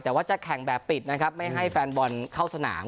แต่ว่าจะแข่งแบบปิดนะครับไม่ให้แฟนบอลเข้าสนาม